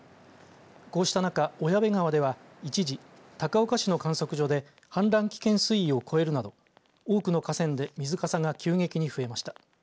こうした中、小矢部川では一時高岡市の観測所で氾濫危険水位を超えるなど多くの河川で水かさが急激に増えました。